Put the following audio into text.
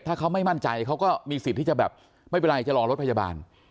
ถ้าเขาไม่มั่นใจเขาก็มีสิทธิ์ที่จะแบบไม่เป็นไรจะรอรถพยาบาล